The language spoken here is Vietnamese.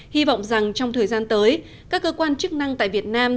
hy vọng rằng trong thời gian tới các cơ quan chức năng tại việt nam